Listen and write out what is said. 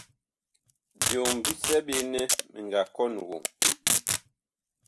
Byom bisɛ ɓe nɛ mi nga kɔn woŋ.